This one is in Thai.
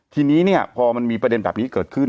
ทีนี้เนี่ยพอมันมีประเด็นแบบนี้เกิดขึ้น